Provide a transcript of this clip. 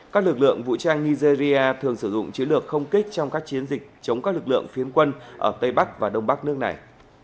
các lực lượng vũ trang nigeria thường sử dụng chiến lược không kích trong các chiến dịch chống các lực lượng phiến quân ở tây bắc và đông bắc nước này